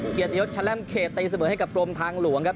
เกียรติยศแลมเขตตีเสมอให้กับกรมทางหลวงครับ